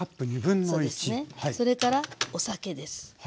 それからお酒です。